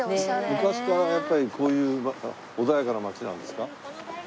昔からやっぱりこういう穏やかな街なんですか？